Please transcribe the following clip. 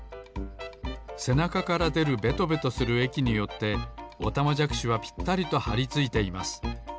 せなかからでるベトベトするえきによってオタマジャクシはぴったりとはりついています。